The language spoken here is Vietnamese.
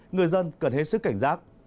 người dân cần hết sức cảnh giác